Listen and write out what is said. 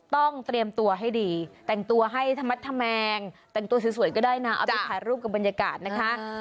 เตรียมตัวให้ดีแต่งตัวให้ธรรมัดธแมงแต่งตัวสวยก็ได้นะเอาไปถ่ายรูปกับบรรยากาศนะคะ